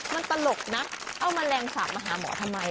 มันตลกนะเอาแมลงสาปมาหาหมอทำไม